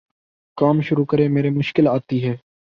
کام شروع کرے میں مشکل آتی ہے